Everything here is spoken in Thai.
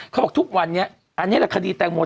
เขาบอกทุกวันนี้อันนี้แหละคดีแตงโม